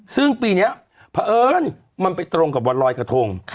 ซึ่งปีนี้เพราะเอิญมันไปตรงกับวันลอยกระทง